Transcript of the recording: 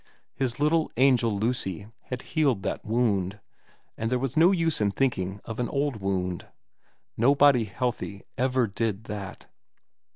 His little angel Lucy had healed that wound, and there was no use in thinking of an old wound ; nobody healthy ever did that.